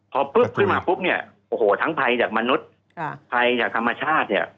พอปุ๊บขึ้นมาปุ๊บเนี่ยโอ้โหทั้งภัยจากมนุษย์ภัยจากธรรมชาติเนี่ย